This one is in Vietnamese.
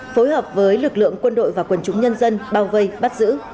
phối hợp với lực lượng quân đội và quần chúng nhân dân bao vây bắt giữ